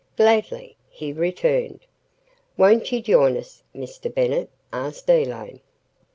"Gladly," he returned. "Won't you join us, Mr. Bennett?" asked Elaine.